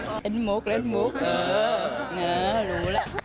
เล่นมุกเล่นมุกเออรู้แล้ว